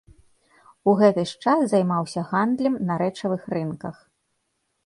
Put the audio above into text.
У гэты ж час займаўся гандлем на рэчавых рынках.